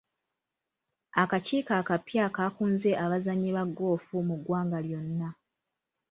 Akakiiko akapya kaakunze abazannyi ba ggoofu mu ggwanga lyonna.